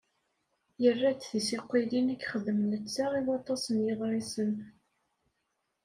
Yeγγar-d tisuqilin i yexdem netta i waṭas n yiḍrisen.